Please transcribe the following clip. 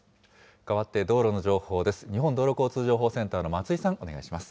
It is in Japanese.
変わって道路の情報です。